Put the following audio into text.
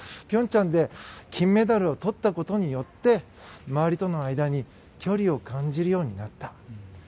平昌で金メダルをとったことによって周りとの間に距離を感じるようになった。